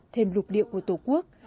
thêm lục điệu của tổ quốc